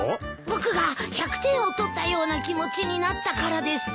僕が１００点を取ったような気持ちになったからです。